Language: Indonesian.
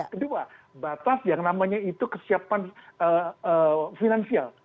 kedua batas yang namanya itu kesiapan finansial